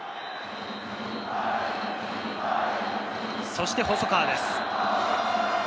そして細川です。